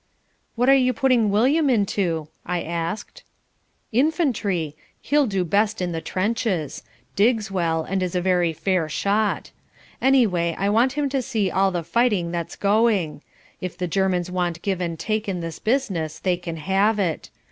'" "What are you putting William into?" I asked "Infantry. He'll do best in the trenches, digs well and is a very fair shot. Anyway I want him to see all the fighting that's going. If the Germans want give and take in this business they can have it.